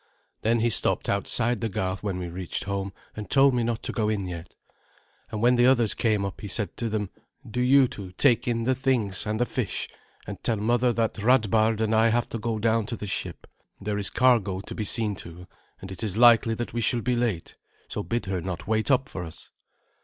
Then he stopped outside the garth when we reached home, and told me not to go in yet. And when the others came up he said to them, "Do you two take in the things and the fish, and tell mother that Radbard and I have to go down to the ship. There is cargo to be seen to, and it is likely that we shall he late, so bid her not wait up for us."